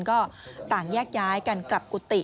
ก็ต่างแยกย้ายกันกลับกุฏิ